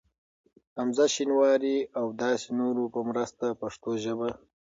حمزه شینواري ا و داسی نورو په مرسته پښتو ژبه